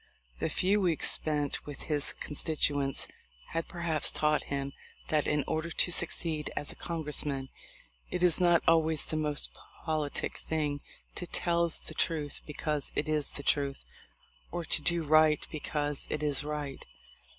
The few weeks spent with his constituents had perhaps taught him that in order to succeed as a Congress man it is not always the most politic thing to tell the truth because it is the truth, or to do right because it is right.